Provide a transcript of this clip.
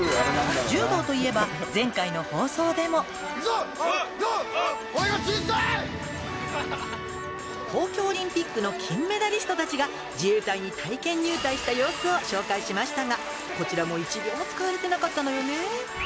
柔道といえば前回の放送でも東京オリンピックの金メダリストたちが自衛隊に体験入隊した様子を紹介しましたがこちらも一秒も使われてなかったのよね